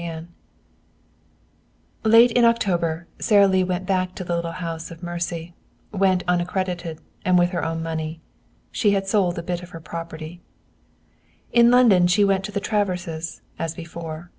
XXIX Late in October Sara Lee went back to the little house of mercy; went unaccredited, and with her own money. She had sold her bit of property. In London she went to the Traverses, as before.